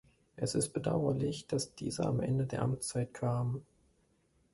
Es ist bedauerlich, dass diese am Ende der Amtszeit kamen.